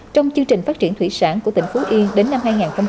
trong chương trình phát triển thủy sản của tỉnh phú yên đến năm hai nghìn ba mươi